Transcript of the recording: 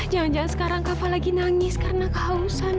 jangan jangan sekarang kapal lagi nangis karena kehausan